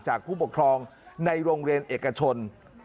ผู้ปกครองในโรงเรียนเอกชน